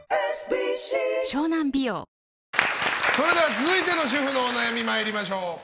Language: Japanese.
続いての主婦のお悩み参りましょう。